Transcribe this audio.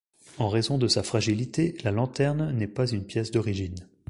En raison de sa fragilité, la lanterne n'est pas une pièce d'origine.